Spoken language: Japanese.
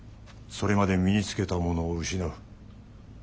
それまで身につけたものを失う。